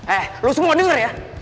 eh lo semua denger ya